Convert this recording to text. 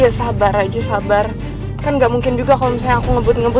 ya sabar aja sabar kan gak mungkin juga kalau misalnya aku ngebut ngebut